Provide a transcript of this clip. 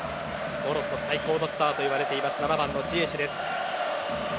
モロッコ最高のスターと言われている７番、ジエシュ。